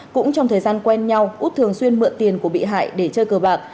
cũng trong thời gian quen nhau út thường xuyên mượn tiền của bị hại để chơi cờ bạc